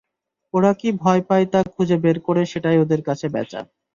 ওরা কী ভয় পায় তা খুঁজে বের করে সেটাই ওদের কাছে বেচা।